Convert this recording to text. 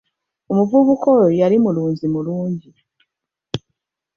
Omuvubuka oyo yali mulunzi mulungi.